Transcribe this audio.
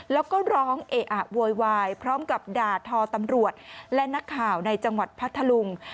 แล้วก็ร้องเอะอะโวยวายพร้อมกับด่าทอตำรวจและนักข่าวในจังหวัดพัทธลุง